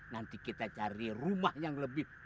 nanti kita cari rumah yang lebih